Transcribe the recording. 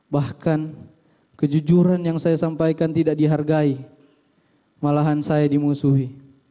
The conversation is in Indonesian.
bahkan kejujuran yang saya sampaikan tidak dihargai malahan saya dimusuhi